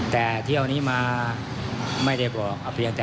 แต่ที่เอานี้มาไม่ได้บอก